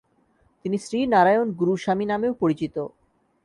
তিনি শ্রী নারায়ণ গুরু স্বামী নামেও পরিচিত।